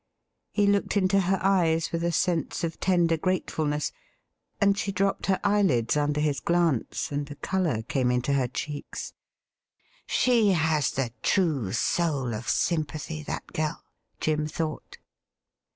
He looked into her eyes with a sense of tender gratefulness, and she dropped her eyelids under his glance, and a colour came into her cheeks. ' She has the true soul of sympathy, that girl,' Jim thought.